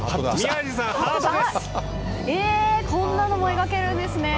こんなのも描けるんですね。